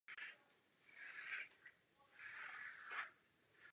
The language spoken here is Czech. Samotnou munici tvoří dvě nálože.